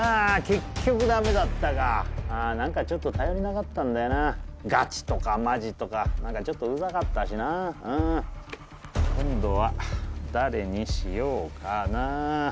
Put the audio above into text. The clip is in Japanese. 結局ダメだったかああ何かちょっと頼りなかったんだよなガチとかマジとか何かちょっとうざかったしなうん今度は誰にしようかな？